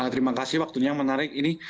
terima kasih waktunya menarik ini